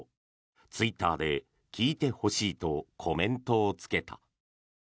ツイッターで聴いてほしいとコメントをつけた。